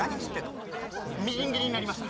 これみじん切りになりました